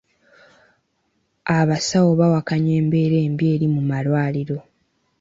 Abasawo bawakanya embeera embi eri mu malwaliro.